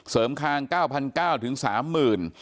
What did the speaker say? เสริมค้าง๙๙๐๐บาทไปถึง๓๐๐๐๐บาท